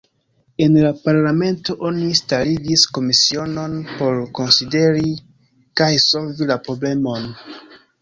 En la parlamento oni starigis komisionon por konsideri kaj solvi la problemon.